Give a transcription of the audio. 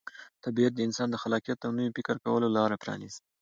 طبیعت د انسان د خلاقیت او نوي فکر کولو لاره پرانیزي.